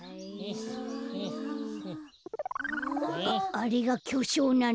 あれがきょしょうなの？